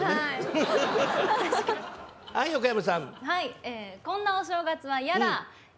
はいこんなお正月は嫌だ。